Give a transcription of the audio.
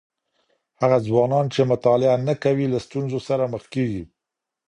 هغه ځوانان چي مطالعه نه کوي، له ستونزو سره مخ کیږي.